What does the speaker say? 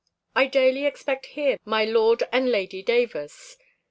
I daily expect here my Lord and Lady Davers.